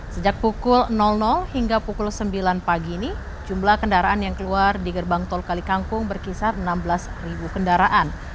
sejak pukul hingga pukul sembilan pagi ini jumlah kendaraan yang keluar di gerbang tol kalikangkung berkisar enam belas kendaraan